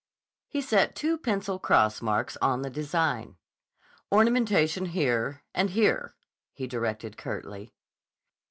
He set two pencil cross marks on the design. "Ornamentation here, and here," he directed curtly.